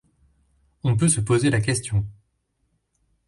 On peut se poser la question.